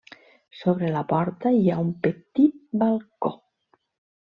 Sobre la porta hi ha un petit balcó.